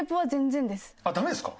あっダメですか？